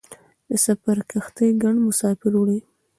د سفر کښتۍ ګڼ مسافر وړي.